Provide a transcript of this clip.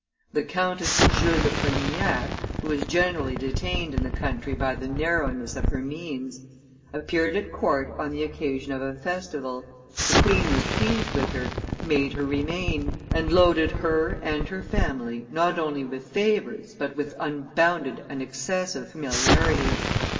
The Countess Jules de Polignac, who was generally detained in the country by the narrowness of her means, appeared at court on the occasion of a festival; the queen was pleased with her, made her remain, and loaded her, her and her family, not only with favors, but with unbounded and excessive familiarity.